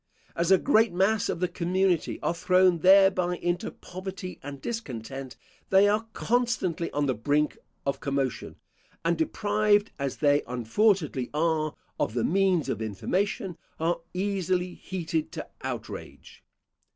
As a great mass of the community are thrown thereby into poverty and discontent, they are constantly on the brink of commotion; and deprived, as they unfortunately are, of the means of information, are easily heated to outrage.